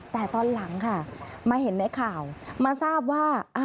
แต่ตอนหลังค่ะมาเห็นในข่าวมาทราบว่า